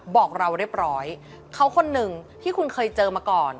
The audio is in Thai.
บอกเราเรียบร้อยเขาคนหนึ่งที่คุณเคยเจอมาก่อน